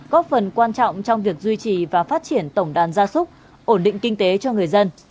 góp phần quan trọng trong việc duy trì và phát triển tổng đàn gia súc ổn định kinh tế cho người dân